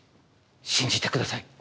信じてください。